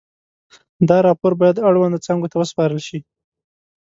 دا راپور باید اړونده څانګو ته وسپارل شي.